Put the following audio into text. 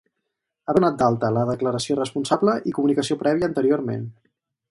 Haver donat d'alta la declaració responsable i comunicació prèvia anteriorment.